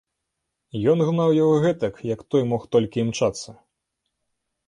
Ён гнаў яго гэтак, як той мог толькі імчацца.